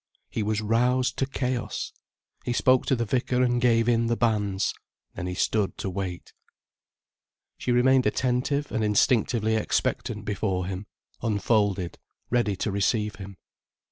He was roused to chaos. He spoke to the vicar and gave in the banns. Then he stood to wait. She remained attentive and instinctively expectant before him, unfolded, ready to receive him.